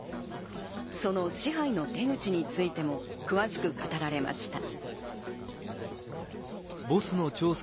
その支配の手口についても詳しく語られました。